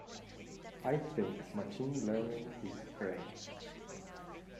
I think Machine Learning is great.